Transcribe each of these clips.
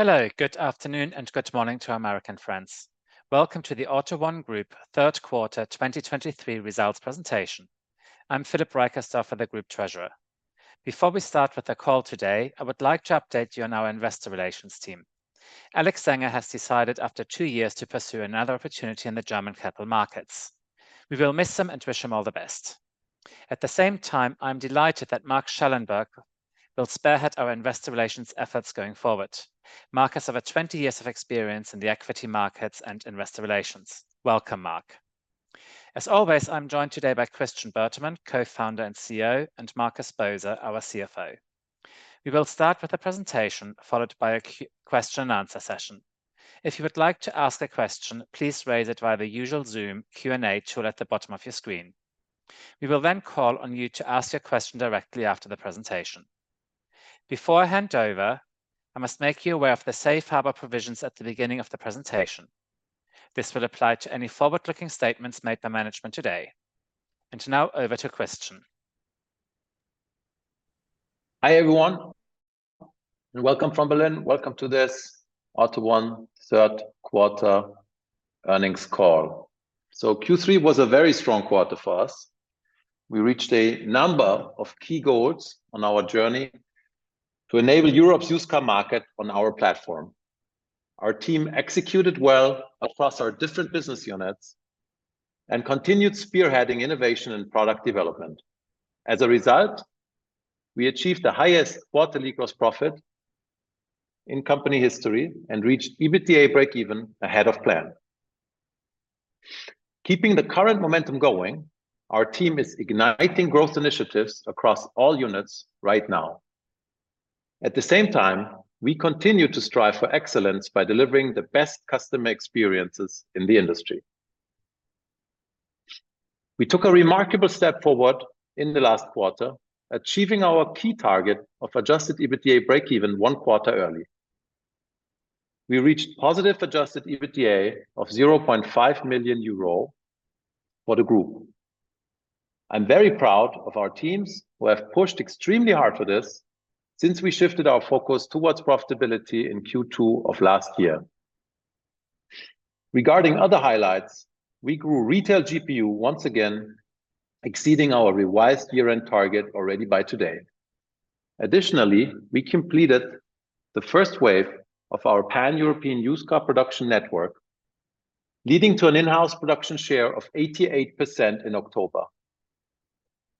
Hello, good afternoon and good morning to our American friends. Welcome to the AUTO1 Group third quarter 2023 results presentation. I'm Philip Reicherstorfer, the group treasurer. Before we start with the call today, I would like to update you on our investor relations team. Alex Sanger has decided after two years to pursue another opportunity in the German capital markets. We will miss him and wish him all the best. At the same time, I'm delighted that Mark Schellenberg will spearhead our investor relations efforts going forward. Mark has over 20 years of experience in the equity markets and investor relations. Welcome, Mark. As always, I'm joined today by Christian Bertermann, co-founder and CEO, and Markus Boser, our CFO. We will start with a presentation, followed by a question and answer session. If you would like to ask a question, please raise it via the usual Zoom Q&A tool at the bottom of your screen. We will then call on you to ask your question directly after the presentation. Before I hand over, I must make you aware of the safe harbor provisions at the beginning of the presentation. This will apply to any forward-looking statements made by management today. And now over to Christian. Hi, everyone, and welcome from Berlin. Welcome to this AUTO1 third quarter earnings call. So Q3 was a very strong quarter for us. We reached a number of key goals on our journey to enable Europe's used car market on our platform. Our team executed well across our different business units and continued spearheading innovation and product development. As a result, we achieved the highest quarterly gross profit in company history and reached EBITDA breakeven ahead of plan. Keeping the current momentum going, our team is igniting growth initiatives across all units right now. At the same time, we continue to strive for excellence by delivering the best customer experiences in the industry. We took a remarkable step forward in the last quarter, achieving our key target of adjusted EBITDA breakeven one quarter early. We reached positive adjusted EBITDA of 0.5 million euro for the group. I'm very proud of our teams, who have pushed extremely hard for this since we shifted our focus towards profitability in Q2 of last year. Regarding other highlights, we grew retail GPU once again, exceeding our revised year-end target already by today. Additionally, we completed the first wave of our Pan-European used car production network, leading to an in-house production share of 88% in October.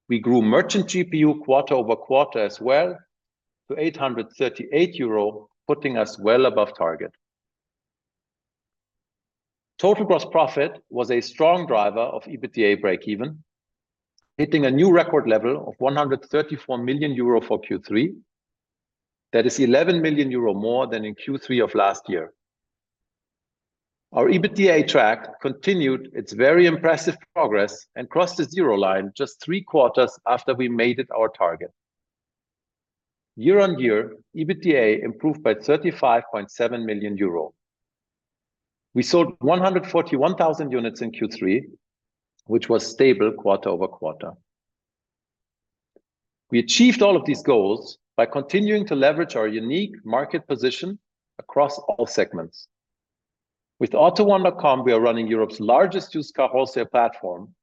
We grew merchant GPU quarter-over-quarter as well, to 838 euro, putting us well above target. Total gross profit was a strong driver of EBITDA breakeven, hitting a new record level of 134 million euro for Q3. That is 11 million euro more than in Q3 of last year. Our EBITDA track continued its very impressive progress and crossed the zero line just three quarters after we made it our target. Year-over-year, EBITDA improved by 35.7 million euro. We sold 141 units in Q3, which was stable quarter-over-quarter. We achieved all of these goals by continuing to leverage our unique market position across all segments. With AUTO1.com, we are running Europe's largest used car wholesale platform,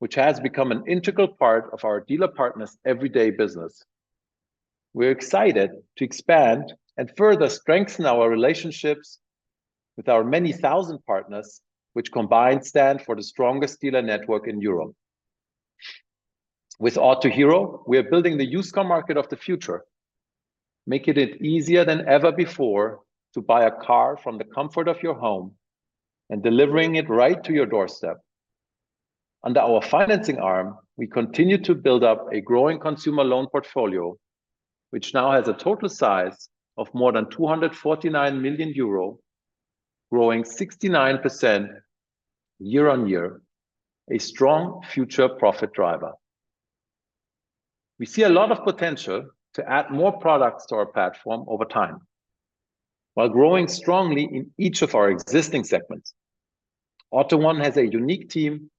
which has become an integral part of our dealer partners' everyday business. We're excited to expand and further strengthen our relationships with our many thousand partners, which combined stand for the strongest dealer network in Europe. With Autohero, we are building the used car market of the future, making it easier than ever before to buy a car from the comfort of your home and delivering it right to your doorstep. Under our financing arm, we continue to build up a growing consumer loan portfolio, which now has a total size of more than 249 million euro, growing 69% year-on-year, a strong future profit driver. We see a lot of potential to add more products to our platform over time, while growing strongly in each of our existing segments. AUTO1 has a unique team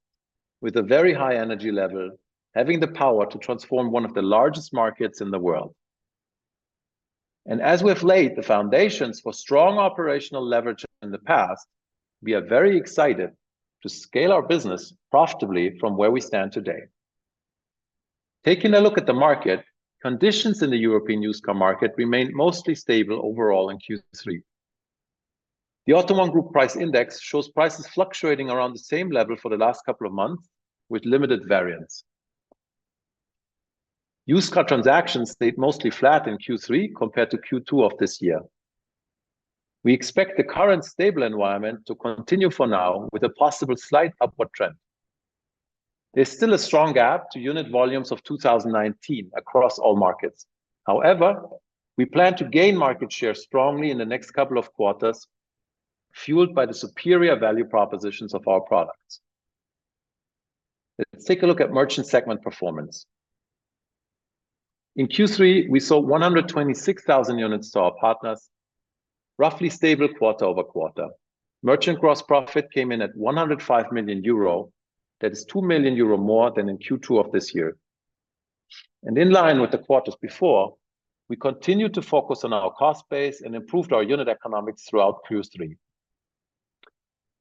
with a very high energy level, having the power to transform one of the largest markets in the world. And as we've laid the foundations for strong operational leverage in the past, we are very excited to scale our business profitably from where we stand today. Taking a look at the market, conditions in the European used car market remained mostly stable overall in Q3. The AUTO1 Group Price Index shows prices fluctuating around the same level for the last couple of months, with limited variance. Used car transactions stayed mostly flat in Q3 compared to Q2 of this year. We expect the current stable environment to continue for now, with a possible slight upward trend. There's still a strong gap to unit volumes of 2019 across all markets. However, we plan to gain market share strongly in the next couple of quarters, fueled by the superior value propositions of our products. Let's take a look at Merchant segment performance. In Q3, we sold 126,000 units to our partners, roughly stable quarter-over-quarter. Merchant gross profit came in at 105 million euro. That is 2 million euro more than in Q2 of this year. In line with the quarters before, we continued to focus on our cost base and improved our unit economics throughout Q3.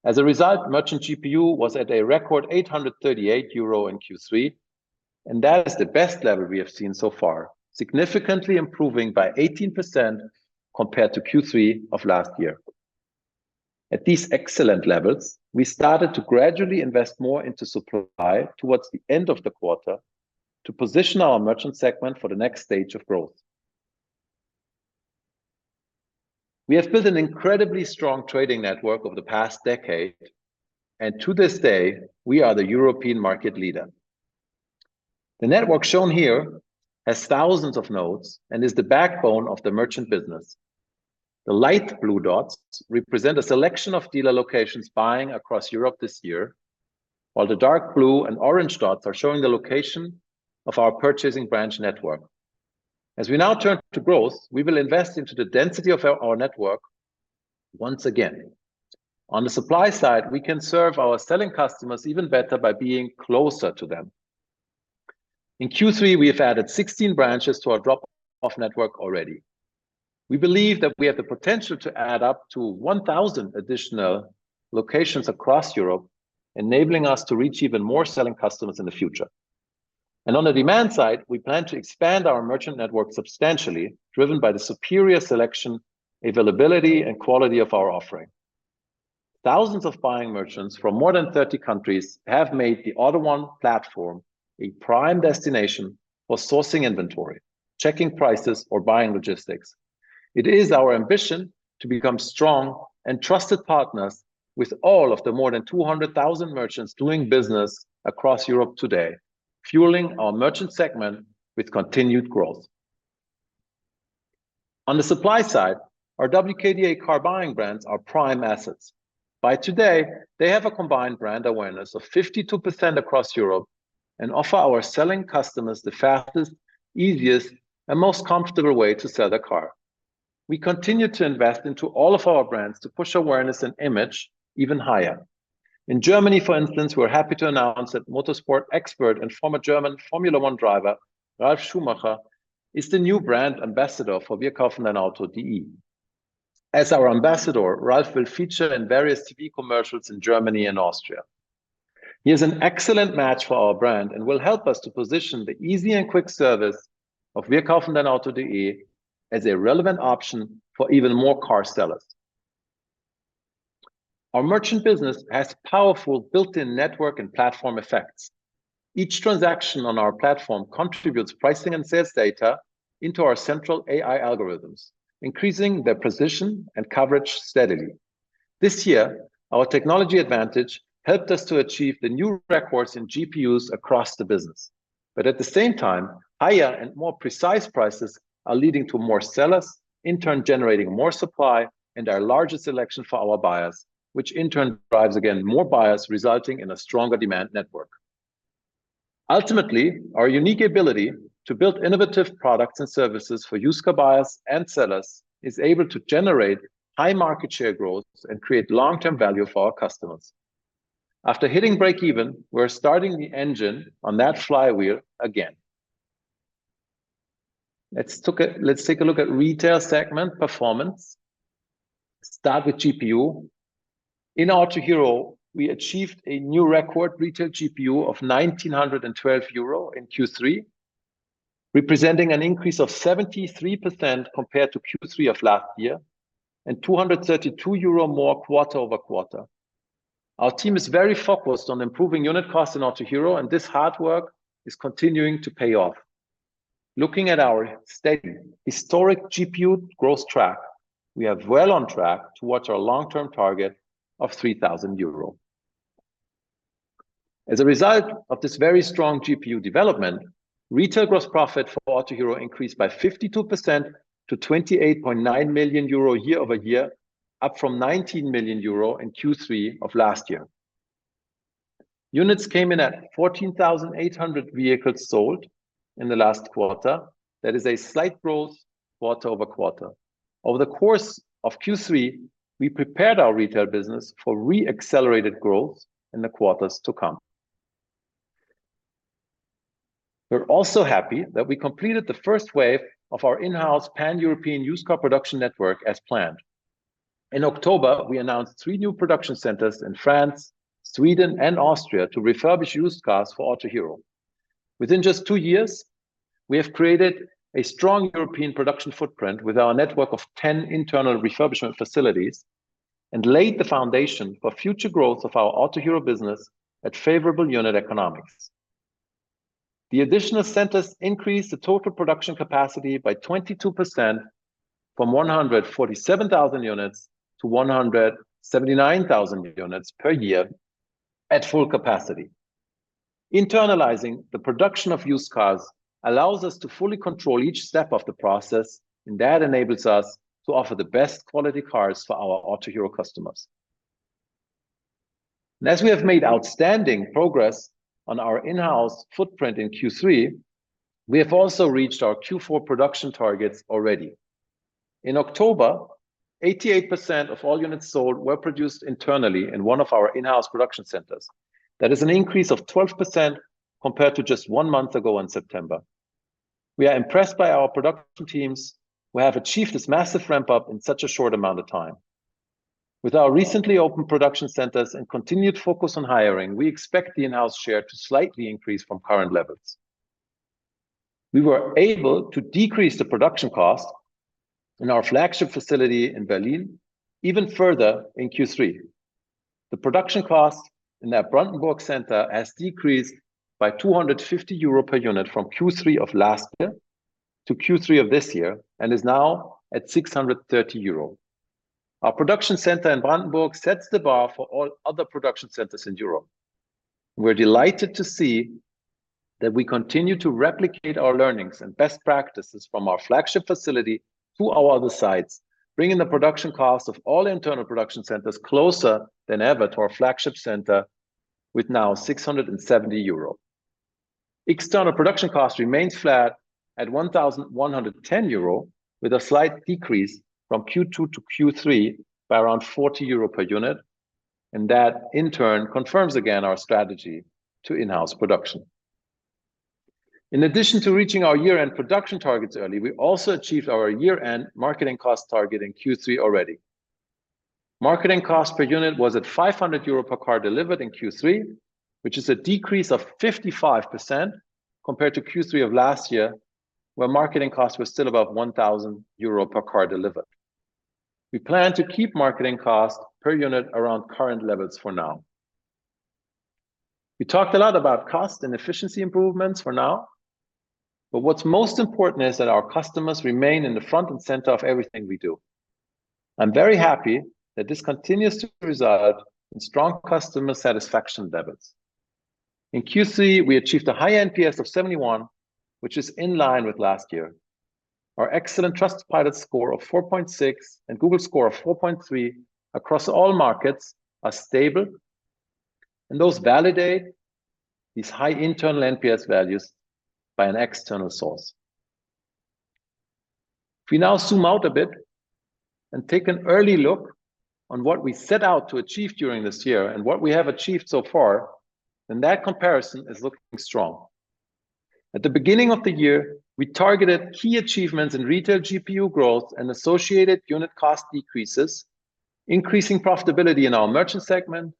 As a result, Merchant GPU was at a record 838 euro in Q3, and that is the best level we have seen so far, significantly improving by 18% compared to Q3 of last year. At these excellent levels, we started to gradually invest more into supply towards the end of the quarter to position our Merchant segment for the next stage of growth. We have built an incredibly strong trading network over the past decade, and to this day, we are the European market leader. The network shown here has thousands of nodes and is the backbone of the merchant business. The light blue dots represent a selection of dealer locations buying across Europe this year, while the dark blue and orange dots are showing the location of our purchasing branch network. As we now turn to growth, we will invest into the density of our, our network once again. On the supply side, we can serve our selling customers even better by being closer to them. In Q3, we have added 16 branches to our drop-off network already. We believe that we have the potential to add up to 1,000 additional locations across Europe, enabling us to reach even more selling customers in the future. On the demand side, we plan to expand our merchant network substantially, driven by the superior selection, availability, and quality of our offering. Thousands of buying merchants from more than 30 countries have made the AUTO1 platform a prime destination for sourcing inventory, checking prices, or buying logistics. It is our ambition to become strong and trusted partners with all of the more than 200,000 merchants doing business across Europe today, fueling our merchant segment with continued growth. On the supply side, our WKDA car buying brands are prime assets. By today, they have a combined brand awareness of 52% across Europe and offer our selling customers the fastest, easiest, and most comfortable way to sell their car. We continue to invest into all of our brands to push awareness and image even higher. In Germany, for instance, we're happy to announce that motorsport expert and former German Formula One driver, Ralf Schumacher, is the new brand ambassador for wirkaufendeinauto.de. As our ambassador, Ralf will feature in various TV commercials in Germany and Austria. He is an excellent match for our brand and will help us to position the easy and quick service of wirkaufendeinauto.de as a relevant option for even more car sellers. Our merchant business has powerful built-in network and platform effects. Each transaction on our platform contributes pricing and sales data into our central AI algorithms, increasing their precision and coverage steadily. This year, our technology advantage helped us to achieve the new records in GPUs across the business. But at the same time, higher and more precise prices are leading to more sellers, in turn, generating more supply and our largest selection for our buyers, which in turn, drives, again, more buyers, resulting in a stronger demand network. Ultimately, our unique ability to build innovative products and services for used car buyers and sellers is able to generate high market share growth and create long-term value for our customers. After hitting breakeven, we're starting the engine on that flywheel again. Let's take a look at Retail segment performance. Start with GPU. In Autohero, we achieved a new record retail GPU of 1,912 euro in Q3, representing an increase of 73% compared to Q3 of last year, and 232 euro more quarter-over-quarter. Our team is very focused on improving unit costs in Autohero, and this hard work is continuing to pay off. Looking at our steady historic GPU growth track, we are well on track towards our long-term target of 3,000 euro. As a result of this very strong GPU development, retail gross profit for Autohero increased by 52% to 28.9 million euro year-over-year, up from 19 million euro in Q3 of last year. Units came in at 14,800 vehicles sold in the last quarter. That is a slight growth quarter-over-quarter. Over the course of Q3, we prepared our retail business for re-accelerated growth in the quarters to come. We're also happy that we completed the first wave of our in-house Pan-European used car production network as planned. In October, we announced 3 new production centers in France, Sweden, and Austria to refurbish used cars for Autohero. Within just 2 years, we have created a strong European production footprint with our network of 10 internal refurbishment facilities and laid the foundation for future growth of our Autohero business at favorable unit economics. The additional centers increased the total production capacity by 22%, from 147,000 units to 179,000 units per year at full capacity. Internalizing the production of used cars allows us to fully control each step of the process, and that enables us to offer the best quality cars for our Autohero customers. And as we have made outstanding progress on our in-house footprint in Q3, we have also reached our Q4 production targets already. In October, 88% of all units sold were produced internally in one of our in-house production centers. That is an increase of 12% compared to just one month ago in September. We are impressed by our production teams, who have achieved this massive ramp-up in such a short amount of time. With our recently opened production centers and continued focus on hiring, we expect the in-house share to slightly increase from current levels. We were able to decrease the production cost in our flagship facility in Berlin even further in Q3. The production cost in our Brandenburg center has decreased by 250 euro per unit from Q3 of last year to Q3 of this year, and is now at 630 euro. Our production center in Brandenburg sets the bar for all other production centers in Europe. We're delighted to see that we continue to replicate our learnings and best practices from our flagship facility to our other sites, bringing the production cost of all internal production centers closer than ever to our flagship center, with now 670 euro. External production cost remains flat at 1,110 euro, with a slight decrease from Q2 to Q3 by around 40 euro per unit, and that in turn confirms again our strategy to in-house production. In addition to reaching our year-end production targets early, we also achieved our year-end marketing cost target in Q3 already. Marketing cost per unit was at 500 euro per car delivered in Q3, which is a decrease of 55% compared to Q3 of last year, where marketing cost was still above 1,000 euro per car delivered. We plan to keep marketing cost per unit around current levels for now. We talked a lot about cost and efficiency improvements for now, but what's most important is that our customers remain in the front and center of everything we do. I'm very happy that this continues to result in strong customer satisfaction levels. In Q3, we achieved a high NPS of 71, which is in line with last year. Our excellent Trustpilot score of 4.6 and Google score of 4.3 across all markets are stable, and those validate these high internal NPS values by an external source. If we now zoom out a bit and take an early look on what we set out to achieve during this year and what we have achieved so far, then that comparison is looking strong. At the beginning of the year, we targeted key achievements in retail GPU growth and associated unit cost decreases, increasing profitability in our merchant segment,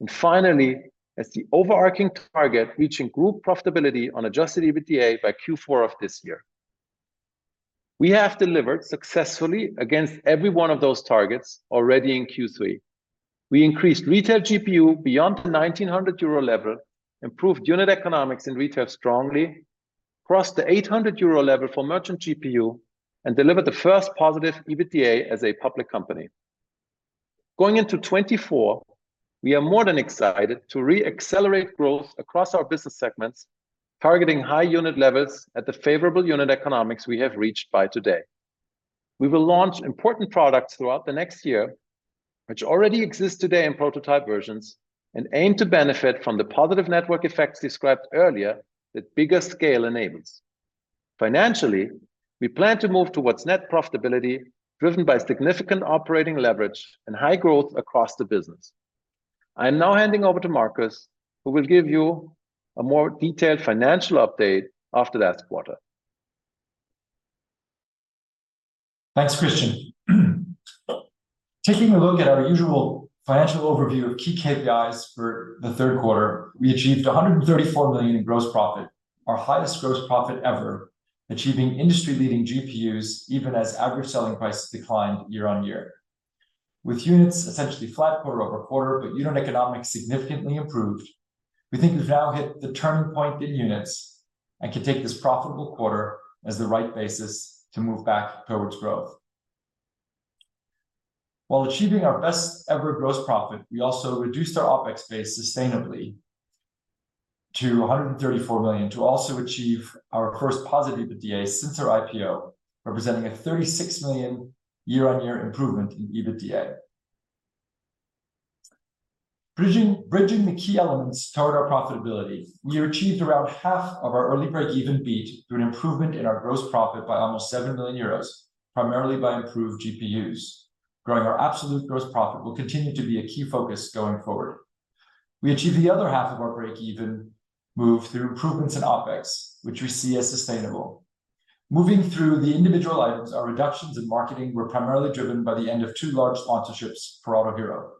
and finally, as the overarching target, reaching group profitability on Adjusted EBITDA by Q4 of this year. We have delivered successfully against every one of those targets already in Q3. We increased retail GPU beyond the 1,900 euro level, improved unit economics in retail strongly, crossed the 800 euro level for merchant GPU, and delivered the first positive EBITDA as a public company. Going into 2024, we are more than excited to re-accelerate growth across our business segments, targeting high unit levels at the favorable unit economics we have reached by today. We will launch important products throughout the next year, which already exist today in prototype versions, and aim to benefit from the positive network effects described earlier that bigger scale enables. Financially, we plan to move towards net profitability, driven by significant operating leverage and high growth across the business. I am now handing over to Markus, who will give you a more detailed financial update after that quarter. Thanks, Christian. Taking a look at our usual financial overview of key KPIs for the third quarter, we achieved 134 million in gross profit, our highest gross profit ever, achieving industry-leading GPUs even as average selling prices declined year-on-year. With units essentially flat quarter-over-quarter, but unit economics significantly improved, we think we've now hit the turning point in units and can take this profitable quarter as the right basis to move back towards growth. While achieving our best ever gross profit, we also reduced our OpEx base sustainably to 134 million, to also achieve our first positive EBITDA since our IPO, representing a 36 million year-on-year improvement in EBITDA. Bridging the key elements toward our profitability, we achieved around half of our early breakeven beat through an improvement in our gross profit by almost 7 million euros, primarily by improved GPUs. Growing our absolute gross profit will continue to be a key focus going forward. We achieved the other half of our breakeven move through improvements in OpEx, which we see as sustainable. Moving through the individual items, our reductions in marketing were primarily driven by the end of two large sponsorships for Autohero.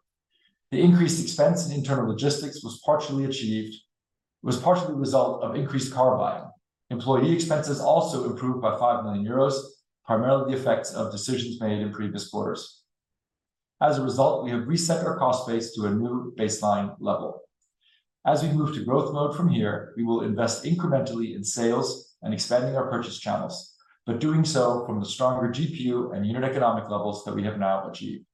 The increased expense in internal logistics was partially the result of increased car buying. Employee expenses also improved by 5 million euros, primarily the effects of decisions made in previous quarters. As a result, we have reset our cost base to a new baseline level. As we move to growth mode from here, we will invest incrementally in sales and expanding our purchase channels, but doing so from the stronger GPU and unit economic levels that we have now achieved.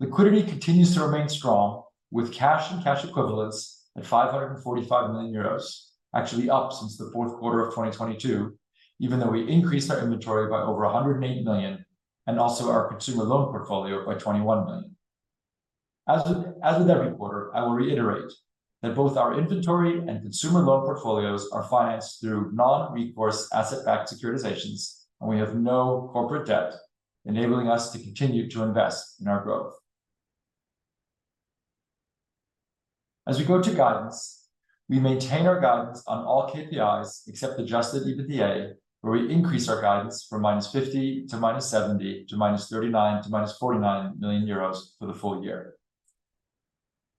Liquidity continues to remain strong, with cash and cash equivalents at 545 million euros, actually up since the fourth quarter of 2022, even though we increased our inventory by over 180 million, and also our consumer loan portfolio by 21 million. As with every quarter, I will reiterate that both our inventory and consumer loan portfolios are financed through non-recourse asset-backed securitizations, and we have no corporate debt, enabling us to continue to invest in our growth. As we go to guidance, we maintain our guidance on all KPIs except Adjusted EBITDA, where we increase our guidance from -50 million-70 million-EUR 39 million-EUR 49 million for the full year.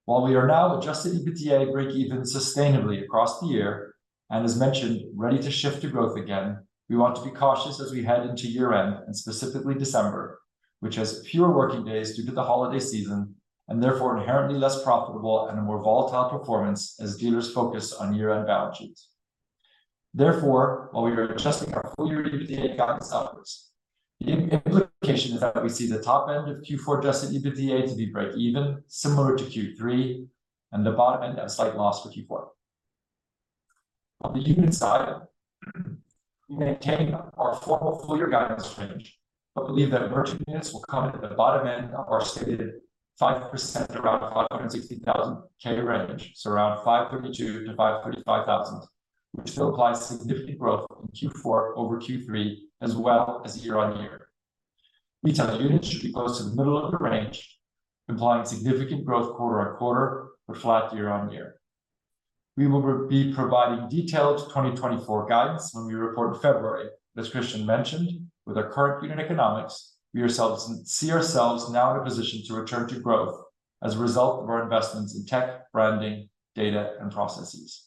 While we are now Adjusted EBITDA break-even sustainably across the year, and as mentioned, ready to shift to growth again, we want to be cautious as we head into year-end, and specifically December, which has fewer working days due to the holiday season, and therefore inherently less profitable and a more volatile performance as dealers focus on year-end balance sheets. Therefore, while we are adjusting our full-year EBITDA guidance upwards, the implication is that we see the top end of Q4 Adjusted EBITDA to be break-even, similar to Q3, and the bottom end, a slight loss for Q4. On the unit side, we maintain our formal full-year guidance range, but believe that merchant units will come in at the bottom end of our stated 5%, around the 560,000 range, so around 532,000-535,000, which still applies significant growth in Q4 over Q3, as well as year-on-year. Retail units should be close to the middle of the range, implying significant growth quarter-on-quarter or flat year-on-year. We will be providing detailed 2024 guidance when we report in February. As Christian mentioned, with our current unit economics, we ourselves, see ourselves now in a position to return to growth as a result of our investments in tech, branding, data, and processes.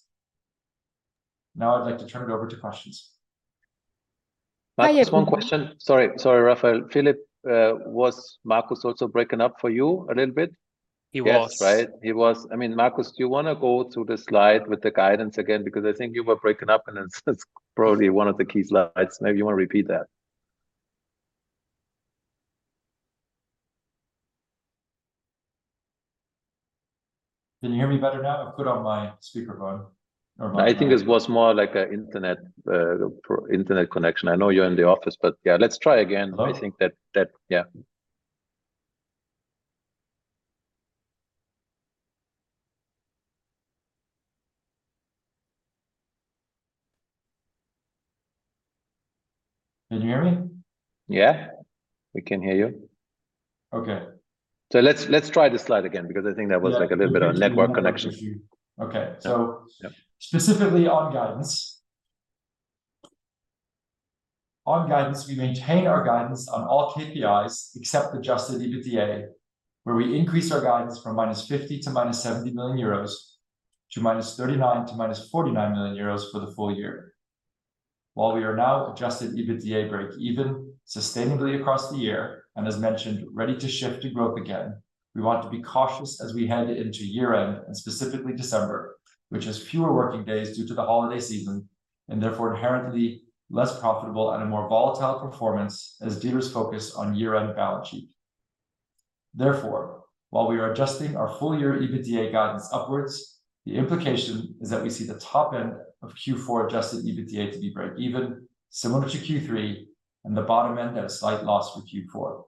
Now I'd like to turn it over to questions. Hi, everyone- Just one question. Sorry, sorry, Raphael. Philip, was Markus also breaking up for you a little bit? He was. Yes, right? He was. I mean, Markus, do you wanna go through the slide with the guidance again? Because I think you were breaking up, and it's, it's probably one of the key slides. Maybe you wanna repeat that. Can you hear me better now? I've put on my speakerphone or my- I think it was more like an internet, poor internet connection. I know you're in the office, but, yeah, let's try again. Hello? I think that... Yeah. Can you hear me? Yeah, we can hear you. Okay. So let's try this slide again, because I think that was- Yeah... like, a little bit of network connection. Okay, so- Yeah ... specifically on guidance. On guidance, we maintain our guidance on all KPIs except Adjusted EBITDA, where we increase our guidance from -50 million--70 million euros, - -39 million--49 million euros for the full year. While we are now Adjusted EBITDA break even sustainably across the year, and as mentioned, ready to shift to growth again, we want to be cautious as we head into year-end, and specifically December, which has fewer working days due to the holiday season, and therefore inherently less profitable and a more volatile performance as dealers focus on year-end balance sheet. Therefore, while we are adjusting our full-year EBITDA guidance upwards, the implication is that we see the top end of Q4 Adjusted EBITDA to be break even, similar to Q3, and the bottom end at a slight loss for Q4.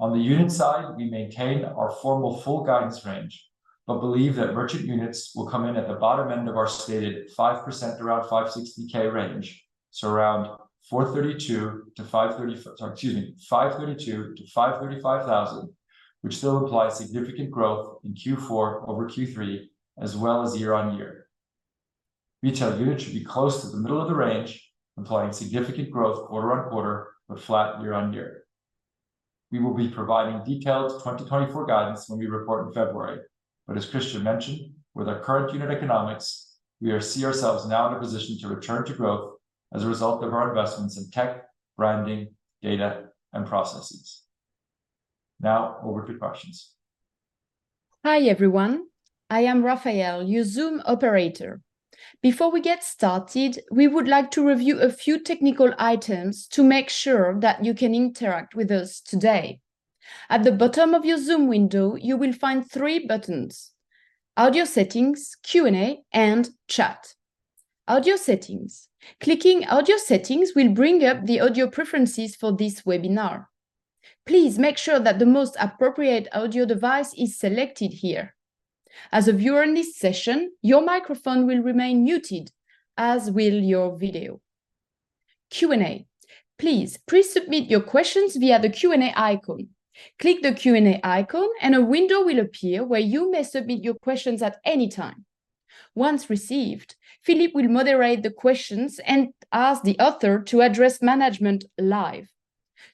On the unit side, we maintain our formal full guidance range, but believe that Merchant units will come in at the bottom end of our stated 5% range, around 560,000, so around 432,000-535,000, which still implies significant growth in Q4 over Q3, as well as year-over-year. Retail units should be close to the middle of the range, implying significant growth quarter-over-quarter but flat year-over-year. We will be providing detailed 2024 guidance when we report in February, but as Christian mentioned, with our current unit economics, we see ourselves now in a position to return to growth as a result of our investments in tech, branding, data, and processes. Now, over to questions. Hi, everyone. I am Raphael, your Zoom operator. Before we get started, we would like to review a few technical items to make sure that you can interact with us today. At the bottom of your Zoom window, you will find three buttons: Audio Settings, Q&A, and Chat. Audio Settings. Clicking Audio Settings will bring up the audio preferences for this webinar. Please make sure that the most appropriate audio device is selected here. As a viewer in this session, your microphone will remain muted, as will your video. Q&A. Please pre-submit your questions via the Q&A icon. Click the Q&A icon, and a window will appear where you may submit your questions at any time. Once received, Philip will moderate the questions and ask the author to address management live.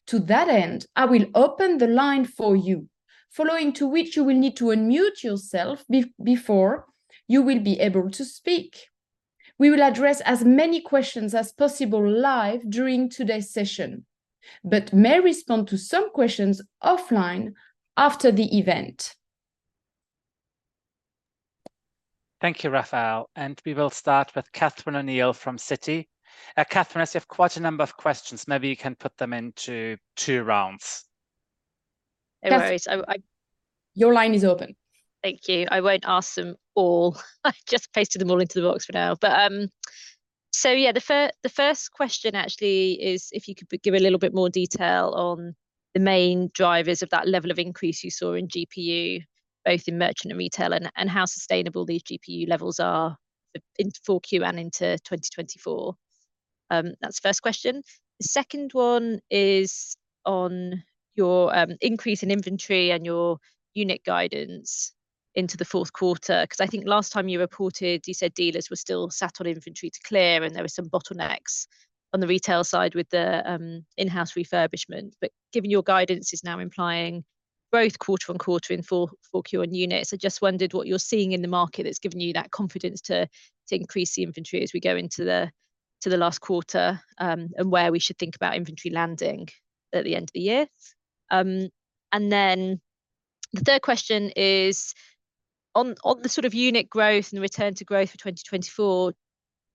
To that end, I will open the line for you, following to which you will need to unmute yourself before you will be able to speak. We will address as many questions as possible live during today's session, but may respond to some questions offline after the event. Thank you, Raphael, and we will start with Catherine O'Neill from Citi. Catherine, as you have quite a number of questions, maybe you can put them into two rounds. Catherine- No worries. Your line is open. Thank you. I won't ask them all. I've just pasted them all into the box for now, but,... So yeah, the first question actually is if you could give a little bit more detail on the main drivers of that level of increase you saw in GPU, both in merchant and retail, and how sustainable these GPU levels are in Q4 and into 2024. That's the first question. The second one is on your increase in inventory and your unit guidance into the fourth quarter. 'Cause I think last time you reported, you said dealers were still sat on inventory to clear, and there were some bottlenecks on the retail side with the in-house refurbishment. But given your guidance is now implying growth quarter on quarter in Q on units, I just wondered what you're seeing in the market that's giving you that confidence to increase the inventory as we go into the last quarter, and where we should think about inventory landing at the end of the year? And then the third question is, on the sort of unit growth and return to growth for 2024,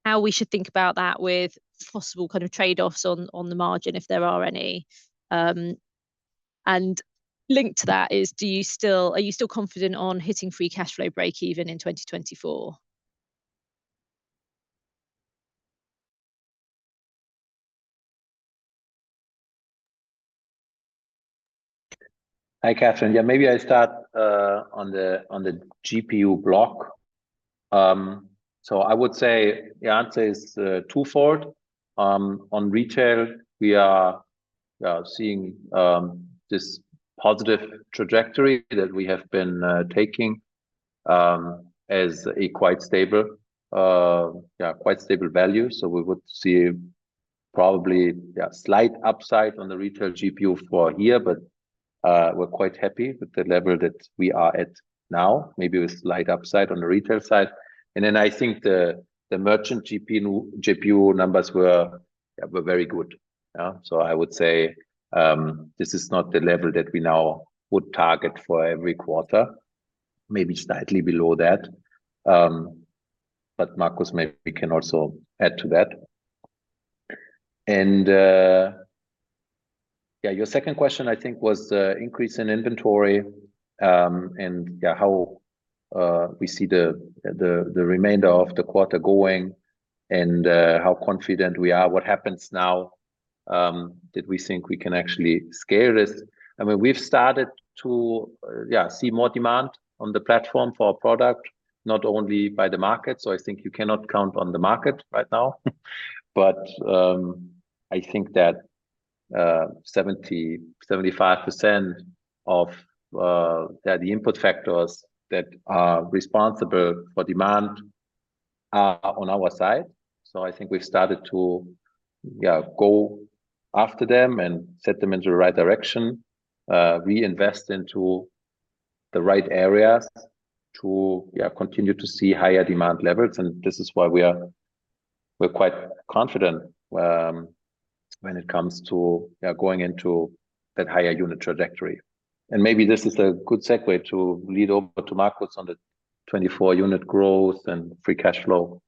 how we should think about that with possible kind of trade-offs on the margin, if there are any? And linked to that is are you still confident on hitting free cash flow breakeven in 2024? Hi, Catherine. Yeah, maybe I start on the GPU block. So I would say the answer is twofold. On retail, we are seeing this positive trajectory that we have been taking as a quite stable value. So we would see probably slight upside on the retail GPU for here, but we're quite happy with the level that we are at now. Maybe with slight upside on the retail side. And then I think the merchant GPU numbers were very good. So I would say this is not the level that we now would target for every quarter. Maybe slightly below that. But Marcus maybe can also add to that. Yeah, your second question, I think, was the increase in inventory, and yeah, how we see the remainder of the quarter going and how confident we are what happens now that we think we can actually scale this. I mean, we've started to yeah, see more demand on the platform for our product, not only by the market, so I think you cannot count on the market right now. But I think that 70%-75% of the input factors that are responsible for demand are on our side. So I think we've started to yeah, go after them and set them in the right direction. We invest into the right areas to continue to see higher demand levels, and this is why we're quite confident when it comes to going into that higher unit trajectory. And maybe this is a good segue to lead over to Markus on the 24 unit growth and free cash flow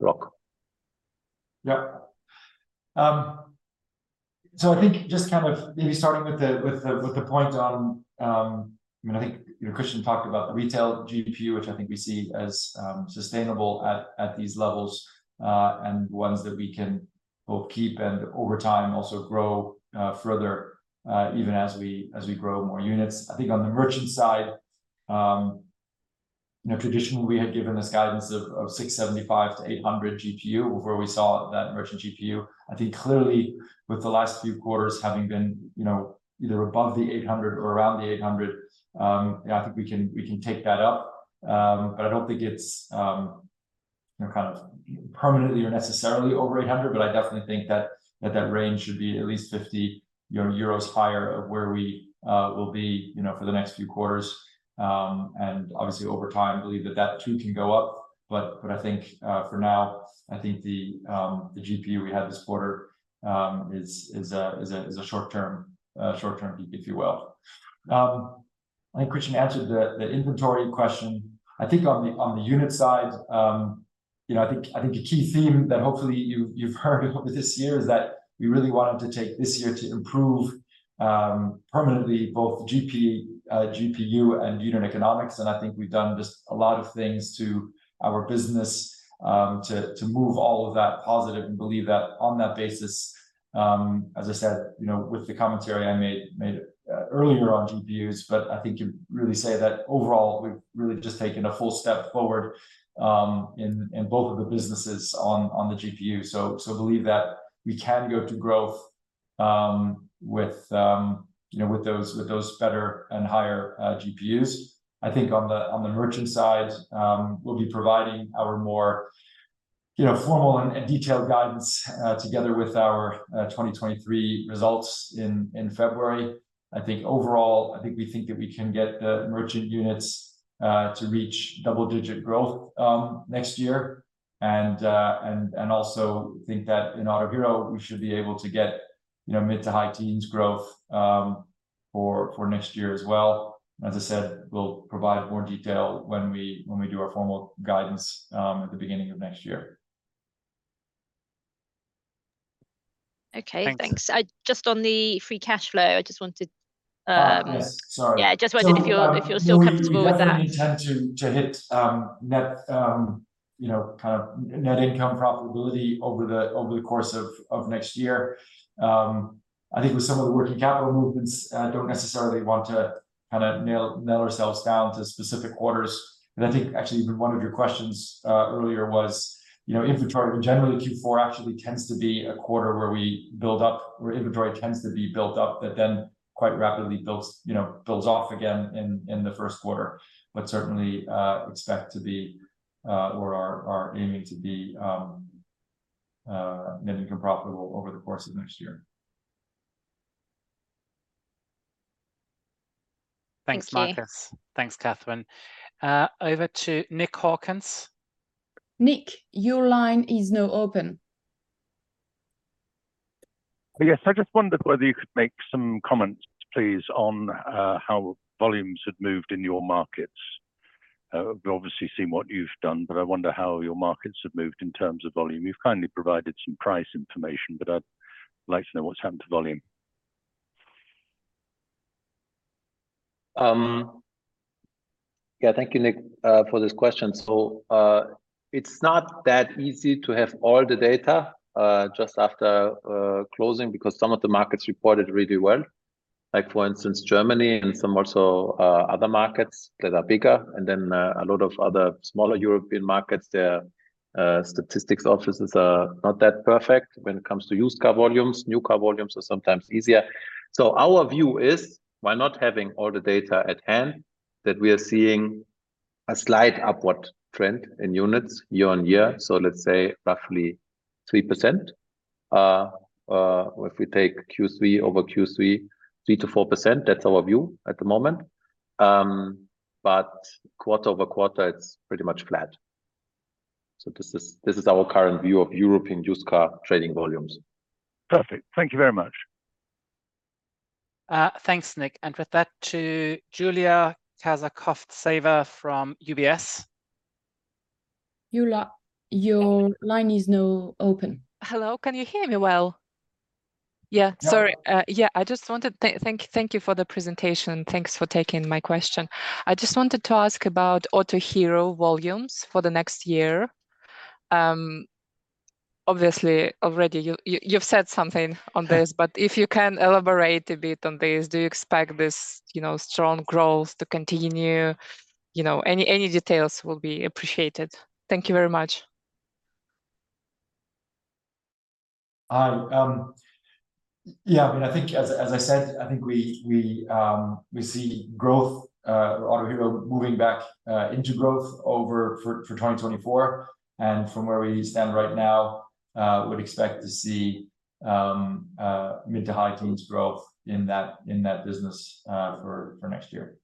block. Yeah. So I think just kind of maybe starting with the, with the, with the point on... I mean, I think, you know, Christian talked about the retail GPU, which I think we see as sustainable at these levels, and ones that we can both keep and over time, also grow further, even as we grow more units. I think on the merchant side, you know, traditionally, we had given this guidance of 675-800 GPU, where we saw that merchant GPU. I think clearly with the last few quarters having been, you know, either above the 800 or around the 800, yeah, I think we can take that up. But I don't think it's, you know, kind of permanently or necessarily over 800, but I definitely think that range should be at least 50 euros higher of where we will be, you know, for the next few quarters. And obviously, over time, believe that that too can go up. But I think, for now, I think the GPU we have this quarter is a short term, short term, if you will. I think Christian answered the inventory question. I think on the unit side, you know, I think a key theme that hopefully you've heard over this year is that we really wanted to take this year to improve permanently both GP, GPU, and unit economics. I think we've done just a lot of things to our business, to move all of that positive and believe that on that basis, as I said, you know, with the commentary I made earlier on GPUs, but I think you really say that overall, we've really just taken a full step forward, in both of the businesses on the GPU. So believe that we can go to growth, with you know, with those better and higher GPUs. I think on the merchant side, we'll be providing our more you know, formal and detailed guidance, together with our 2023 results in February. I think overall, I think we think that we can get the merchant units to reach double-digit growth next year. Also think that in Autohero, we should be able to get, you know, mid to high teens growth for next year as well. As I said, we'll provide more detail when we do our formal guidance at the beginning of next year.... Okay, thanks. I just on the free cash flow, I just wanted, Ah, yeah. Sorry. Yeah, just wondered if you're, if you're still comfortable with that. So we definitely intend to hit net income profitability over the course of next year. I think with some of the working capital movements, we don't necessarily want to nail ourselves down to specific quarters. And I think actually one of your questions earlier was, you know, inventory. But generally, Q4 actually tends to be a quarter where inventory tends to be built up, but then quite rapidly builds, you know, builds off again in the first quarter. But certainly, we expect to be or are aiming to be net income profitable over the course of next year. Thanks, Marcus. Thanks. Thanks, Catherine. Over to Nick Hawkins. Nick, your line is now open. Yes, I just wondered whether you could make some comments, please, on how volumes have moved in your markets. We've obviously seen what you've done, but I wonder how your markets have moved in terms of volume. You've kindly provided some price information, but I'd like to know what's happened to volume. Yeah, thank you, Nick, for this question. So, it's not that easy to have all the data just after closing, because some of the markets reported really well, like for instance, Germany and some also other markets that are bigger, and then a lot of other smaller European markets, their statistics offices are not that perfect when it comes to used car volumes. New car volumes are sometimes easier. So our view is, while not having all the data at hand, that we are seeing a slight upward trend in units year-over-year, so let's say roughly 3%. Or if we take Q3 over Q3, 3%-4%, that's our view at the moment. But quarter-over-quarter, it's pretty much flat. So this is our current view of European used car trading volumes. Perfect. Thank you very much. Thanks, Nick. And with that, to Julia Kazakova from UBS. Julia, your line is now open. Hello, can you hear me well? Yeah. Yeah. Sorry, yeah, I just wanted to thank you for the presentation, and thanks for taking my question. I just wanted to ask about Autohero volumes for the next year. Obviously, already you've said something on this, but if you can elaborate a bit on this, do you expect this, you know, strong growth to continue? You know, any details will be appreciated. Thank you very much. Yeah, I mean, I think as I said, I think we see growth, Autohero moving back into growth for 2024. And from where we stand right now, would expect to see mid to high teens growth in that business for next year.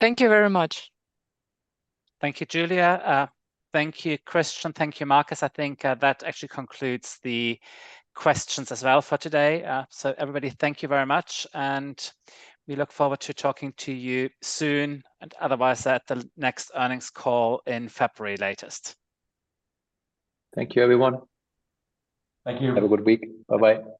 Thank you very much. Thank you, Julia. Thank you, Christian. Thank you, Markus. I think that actually concludes the questions as well for today. So everybody, thank you very much, and we look forward to talking to you soon, and otherwise, at the next earnings call in February latest. Thank you, everyone. Thank you. Have a good week. Bye-bye.